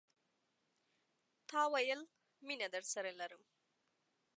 تا ویل، مینه درسره لرم